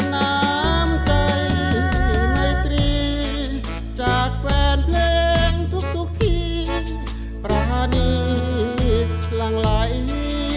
น้ำใจไมตรีจากแฟนเพลงทุกทีปรานีหลั่งไหล